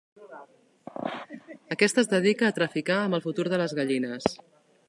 Aquesta es dedica a traficar amb el futur de les gallines.